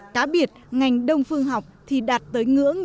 cá biệt ngành đông phương học thì đạt tới ngưỡng